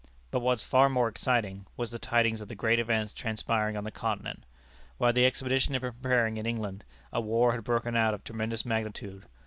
But what was far more exciting, was the tidings of the great events transpiring on the Continent. While the expedition had been preparing in England, a war had broken out of tremendous magnitude.